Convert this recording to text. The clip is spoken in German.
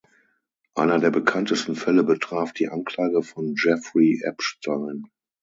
Einer der bekanntesten Fälle betraf die Anklage von Jeffrey Epstein.